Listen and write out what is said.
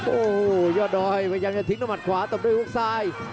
โอ้โหยาดดอยทิ้งทำแม็ดขวาตรงด้วยกล่องทราย